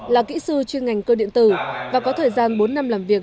là kỹ sư chuyên ngành cơ điện tử và có thời gian bốn năm làm việc